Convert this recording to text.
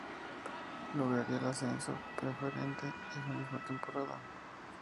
Lograría el Ascenso a Preferente esa misma temporada.